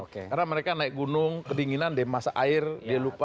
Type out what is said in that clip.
karena mereka naik gunung kedinginan deh masa air dia lupa